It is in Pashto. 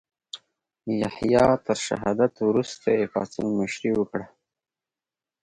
یحیی تر شهادت وروسته یې پاڅون مشري وکړه.